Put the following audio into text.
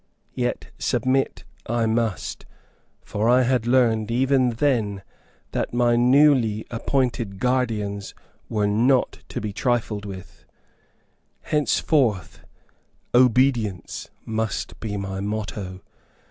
Yet, submit I must, for I had learned, even then, that my newly appointed guardians were not to be trifled with. Henceforth, OBEDIENCE must be my motto.